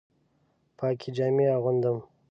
پاکې جامې اغوندم